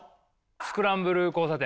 スクランブル交差点。